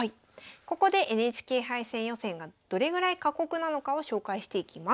ここでＮＨＫ杯戦予選がどれぐらい過酷なのかを紹介していきます。